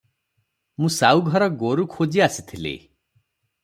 ମୁଁ ସାଉଘର ଗୋରୁ ଖୋଜି ଆସିଥିଲି ।